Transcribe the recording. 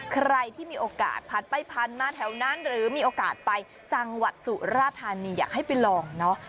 ใครที่มีโอกาสผ่านไปผ่านมาแถวนั้นหรือมีโอกาสไปจังหวัดสุราธานีอยากให้ไปลองเนอะ